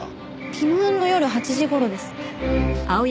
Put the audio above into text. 昨日の夜８時頃です。